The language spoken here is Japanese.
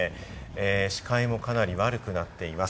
視界もかなり悪くなっています。